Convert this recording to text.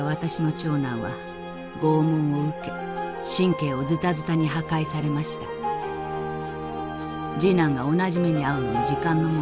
次男が同じ目に遭うのも時間の問題だった。